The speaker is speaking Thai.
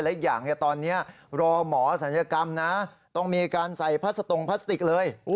และอีกอย่างตอนนี้รอหมอศัลยกรรมนะต้องมีการใส่พัสตรงพลาสติกเลย